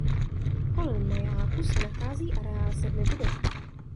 Kolem majáku se nachází areál sedmi budov.